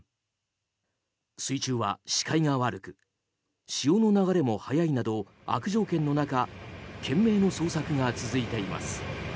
水中は視界が悪く潮の流れも速いなど悪条件の中懸命の捜索が続いています。